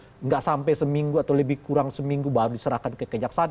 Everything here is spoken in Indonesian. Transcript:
tidak sampai seminggu atau lebih kurang seminggu baru diserahkan ke kejaksaan